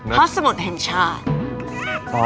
ห้องสมุดเห็นชาติ